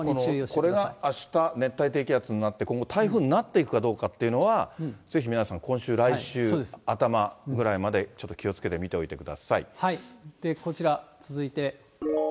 これがあした、熱帯低気圧になって、今後台風になっていくかどうかというのは、ぜひ皆さん、今週、来週頭ぐらいまで、ちょっと気をつけて見ておいてください。